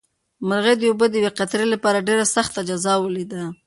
مرغۍ د اوبو د یوې قطرې لپاره ډېره سخته جزا ولیده.